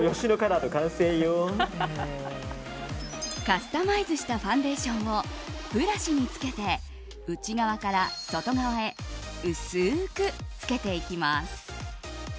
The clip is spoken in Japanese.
カスタマイズしたファンデーションをブラシにつけて、内側から外側へ薄くつけていきます。